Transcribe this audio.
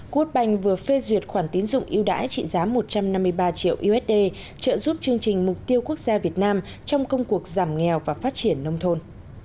word bank vừa phê duyệt khoản tiến dụng yêu đãi trị giá một trăm năm mươi ba triệu usd trợ giúp chương trình mục tiêu quốc gia việt nam trong công cuộc giảm nghèo và phát triển nông thôn